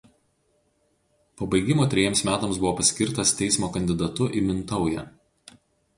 Po baigimo trejiems metams buvo paskirtas teismo kandidatu į Mintaują.